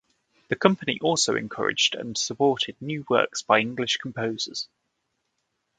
The company also encouraged and supported new works by English composers.